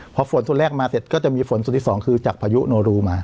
พอฝนส่วนแรกมาเสร็จก็จะมีฝนส่วนที่สองคือจากพายุโนรูมา